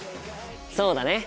そうだね。